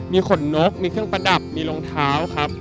มีขนนกมีเครื่องประดับมีรองเท้าครับ